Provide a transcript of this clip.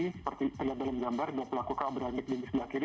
seperti yang terlihat dalam gambar dua pelaku yang berangkat di sebelah kiri